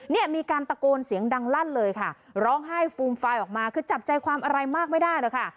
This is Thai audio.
เนี่ยมีการตะโกนเสียงดังลั่นเลยค่ะร้องไห้ฟูมฟายออกมาคือจับใจความอะไรมากไม่ได้หรอกค่ะ